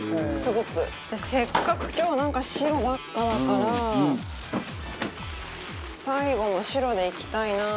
せっかく今日なんか白ばっかだから最後も白でいきたいな。